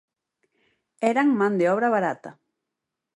Eran man de obra barata.